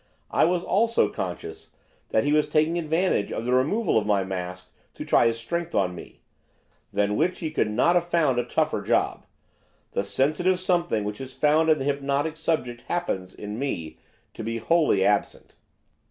I was, also, conscious that he was taking advantage of the removal of my mask to try his strength on me, than which he could not have found a tougher job. The sensitive something which is found in the hypnotic subject happens, in me, to be wholly absent.